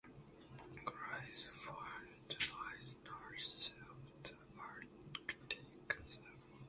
Grise Fiord lies north of the Arctic Circle.